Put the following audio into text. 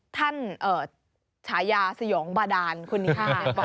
ท่านฉายาสยองบาดานคุณคะ